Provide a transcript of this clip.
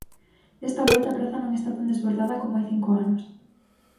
Desta volta a praza non está tan desbordada como hai cinco anos.